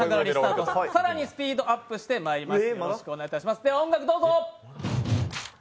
更にスピードアップしてまいります。